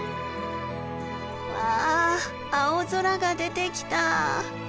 わあ青空が出てきた！